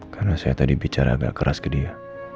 karena saya tadi bicara agak keras ke dia